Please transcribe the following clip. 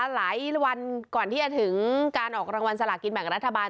หลายวันก่อนที่จะถึงการออกรางวัลสลากินแบ่งรัฐบาล